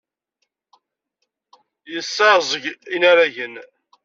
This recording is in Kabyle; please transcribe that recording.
Yesseɛẓeg inaragen.